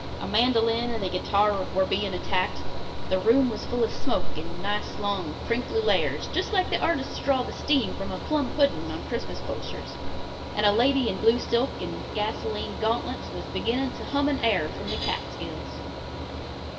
A mandolin and a guitar were being attacked; the room was full of smoke in nice, long crinkly layers just like the artists draw the steam from a plum pudding on Christmas posters, and a lady in a blue silk and gasolined gauntlets was beginning to hum an air from the Catskills.